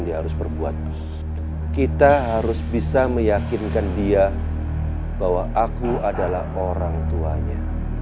dan dia bahwa aku adalah orang tuanya